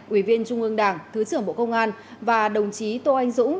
ủy viên trung ương đảng thứ trưởng bộ công an và đồng chí tô anh dũng